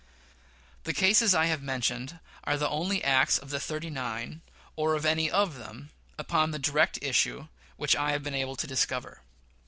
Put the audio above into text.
The cases I have mentioned are the only acts of the "thirty nine," or of any of them, upon the direct issue, which I have been able to discover.